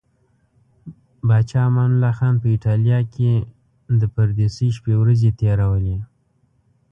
پاچا امان الله خان په ایټالیا کې د پردیسۍ شپې ورځې تیرولې.